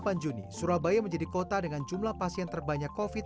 delapan juni surabaya menjadi kota dengan jumlah pasien terbanyak covid sembilan